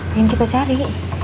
ingin kita cari